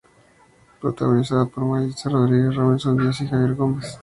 Protagonizada por Maritza Rodríguez, Robinson Díaz y Javier Gómez.